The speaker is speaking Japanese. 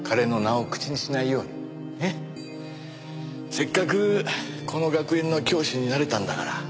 せっかくこの学園の教師になれたんだから。